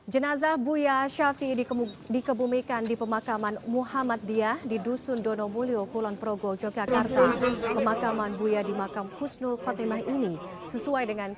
jangan lupa like share dan subscribe channel ini untuk dapat info terbaru